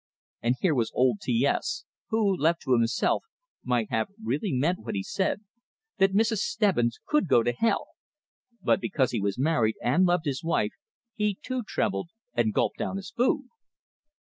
And here was old T S, who, left to himself, might have really meant what he said, that Mrs. Stebbins could go to hell; but because he was married, and loved his wife, he too trembled, and gulped down his food!